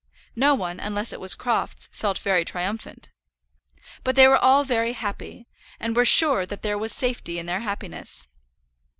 No one, unless it was Crofts, felt very triumphant. But they were all very happy, and were sure that there was safety in their happiness.